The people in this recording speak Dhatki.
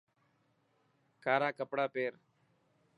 ڪارا ڪپڙا پير.